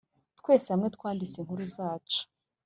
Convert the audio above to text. twese hamwe twanditse inkuru zacu.